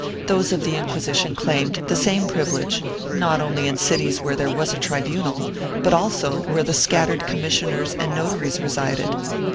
Those of the Inquisition claimed the same privilege, not only in cities where there was a tribunal, but also where the scattered commissioners and notaries resided.